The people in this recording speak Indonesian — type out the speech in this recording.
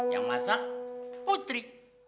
yang masak putri